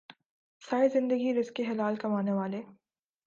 ساری زندگی رزق حلال کمانے والے